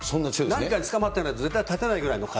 何かにつかまってないと絶対に立てないぐらいの風。